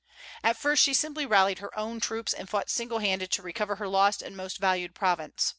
At first she simply rallied her own troops, and fought single handed to recover her lost and most valued province.